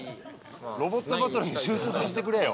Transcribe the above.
ロボットバトルに集中させてくれよ。